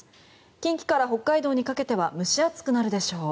近畿から北海道にかけては蒸し暑くなるでしょう。